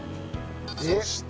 そして。